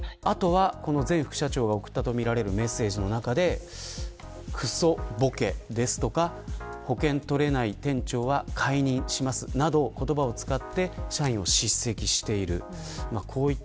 あとは前副社長が送ったとみられるメッセージの中でクソボケ、ですとか保険取れない店長は解任しますなどなどの言葉を使って社員を叱責している。